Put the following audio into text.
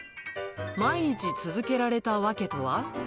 毎日続けられた訳とは？